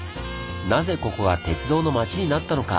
なぜここが「鉄道の町」になったのか？